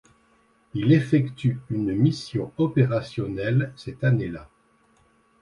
Il effectue une mission opérationnelle cette année-là.